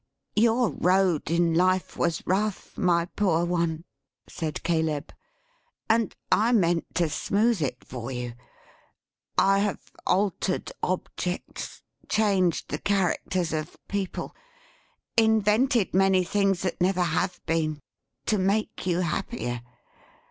"Your road in life was rough, my poor one," said Caleb, "and I meant to smooth it for you. I have altered objects, changed the characters of people, invented many things that never have been, to make you happier.